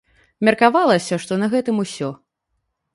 Меркавалася, што на гэтым усё.